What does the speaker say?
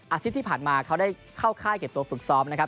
อาทิตย์ที่ผ่านมาเขาได้เข้าค่ายเก็บตัวฝึกซ้อมนะครับ